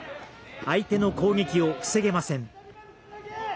相手の攻撃を防げません。